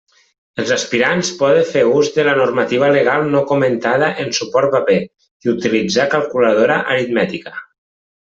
Els aspirants poden fer ús de la normativa legal no comentada en suport paper i utilitzar calculadora aritmètica.